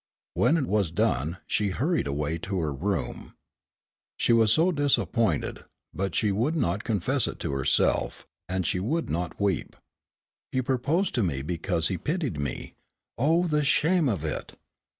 When it was done, she hurried away to her room. She was so disappointed, but she would not confess it to herself, and she would not weep. "He proposed to me because he pitied me, oh, the shame of it!